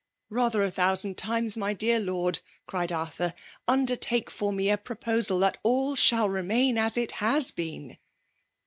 '' Bather a thousand timea, my dear lord,'* cried Arthur, " undertake for me a proposal l^at all shall remain as it has been